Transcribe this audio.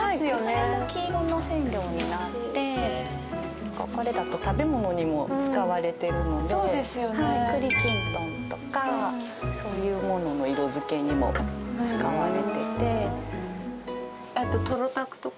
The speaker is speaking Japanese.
それも黄色の染料になってこれだと食べ物にも使われてるのでそうですよねはい栗きんとんとかそういうものの色づけにも使われててあとトロたくとか？